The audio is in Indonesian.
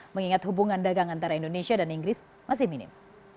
mengingat hubungan dagang antara indonesia dan inggris masih minim